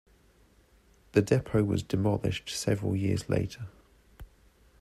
The depot was demolished several years later.